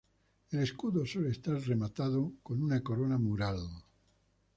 El escudo suele estar rematado con una corona mural.